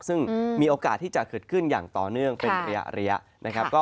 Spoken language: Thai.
ซึ่งมีโอกาสที่จะเกิดขึ้นอย่างต่อเนื่องเป็นระยะนะครับ